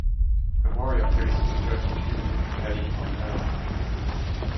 A Warrior Priest of the Church of Human Unification on Erna.